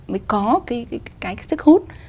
mới có cái sức hút